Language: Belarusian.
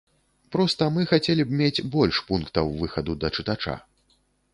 Проста мы хацелі б мець больш пунктаў выхаду да чытача.